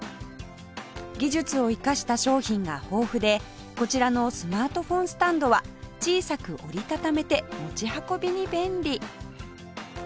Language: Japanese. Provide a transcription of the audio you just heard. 技術を生かした商品が豊富でこちらのスマートフォンスタンドは小さく折り畳めて持ち運びに便利